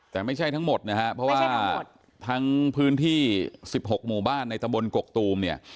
แต่ไม่ใช่ทั้งหมดนะฮะเพราะว่าทั้งพื้นที่๑๖หมู่บ้านในตะบนกกตูมเนี่ย